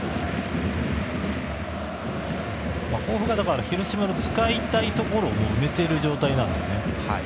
甲府が広島の使いたいところを埋めている状態なんですよね。